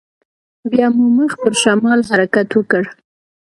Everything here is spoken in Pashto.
بيا مو مخ پر شمال حرکت وکړ.